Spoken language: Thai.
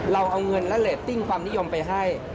เราเอาเงินและเรตติ้งความนิยมไปให้